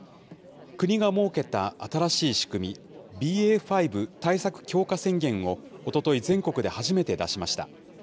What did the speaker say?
国が設けた新しい仕組み、ＢＡ．５対策強化宣言を、おととい、全国で初めて出しました。